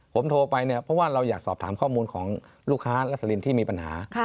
ผมโทรไปเนี่ยเพราะว่าเราอยากสอบถามข้อมูลของลูกค้ารัสลินที่มีปัญหา